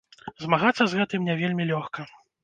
Змагацца з гэтым не вельмі лёгка.